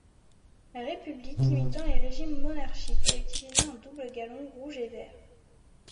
La République, imitant les régimes monarchiques, a utilisé un double galon rouge et vert.